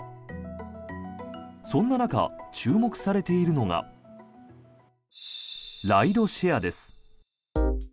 そんな中、注目されているのがライドシェアです。